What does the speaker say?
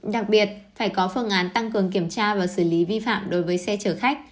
đặc biệt phải có phương án tăng cường kiểm tra và xử lý vi phạm đối với xe chở khách